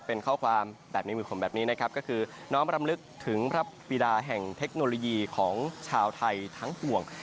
เป็นข้อความแบบนี้น้อมลำลึกถึงพระปริดาแห่งเทคโนโลยีของชาวไทยทั้งห่วง